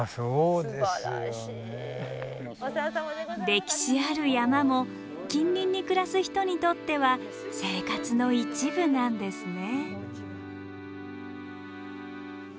歴史ある山も近隣に暮らす人にとっては生活の一部なんですね。